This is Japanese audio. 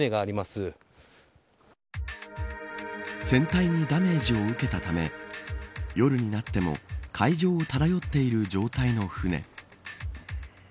船体にダメージを受けたため夜になっても海上を漂っている状態の船。